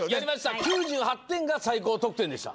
９８点が最高得点でした。